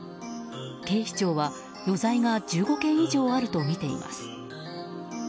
警視庁は、余罪が１５件以上あるとみています。